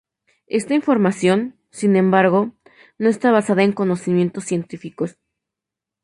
Esta información, sin embargo, no está basada en conocimientos científicos.